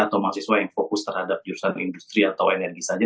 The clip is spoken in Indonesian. atau mahasiswa yang fokus terhadap jurusan industri atau energi saja